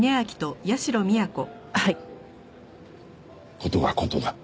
事が事だ。